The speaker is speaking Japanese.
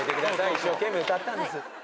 一生懸命歌ったんです。